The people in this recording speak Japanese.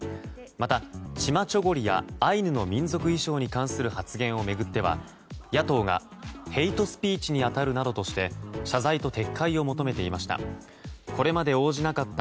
また、チマチョゴリやアイヌの民族衣装に関する発言を巡っては、野党がヘイトスピーチに当たるなどとして謝罪と撤回を求めていました。